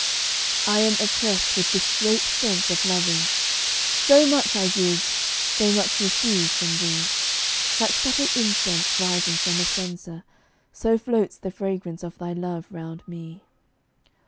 I am oppressed with this great sense of loving; So much I give, so much receive from thee; Like subtle incense, rising from a censer, So floats the fragrance of thy love round me.